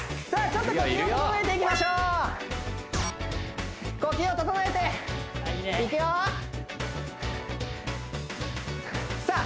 ちょっと呼吸を整えていきましょう呼吸を整えていくよさあ